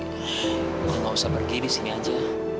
kamu gak usah pergi di sini aja